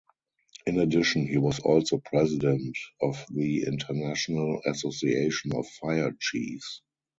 In addition, he was also president of the International Association of Fire Chiefs.